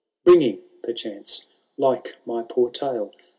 Bringing, perchance, Uke my poor tale.